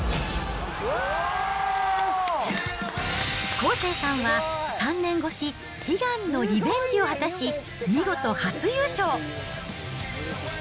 康生さんは３年越し、悲願のリベンジを果たし、見事、初優勝。